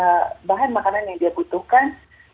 jadi lebih dari bahan makanan yang dia butuhkan